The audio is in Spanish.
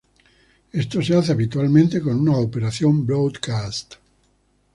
Esto se hace habitualmente con una operación broadcast.